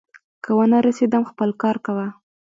که ونه رسېدم، خپل کار کوه.